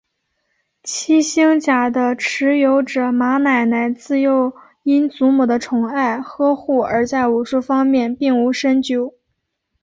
七星甲的持有者马奶奶自幼因祖母的宠爱呵护而在武术方面并无深究。